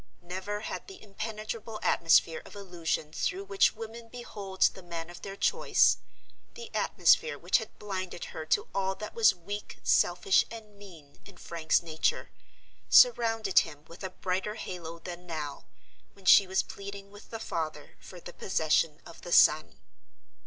Never had the impenetrable atmosphere of illusion through which women behold the man of their choice—the atmosphere which had blinded her to all that was weak, selfish, and mean in Frank's nature—surrounded him with a brighter halo than now, when she was pleading with the father for the possession of the son.